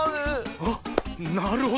あっなるほど。